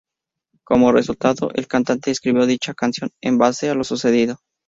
Como resultado, el cantante escribió dicha canción en base a lo sucedido.